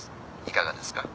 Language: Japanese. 「いかがですか？